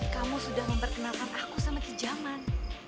kamu sudah memperkenalkan aku sama kijaman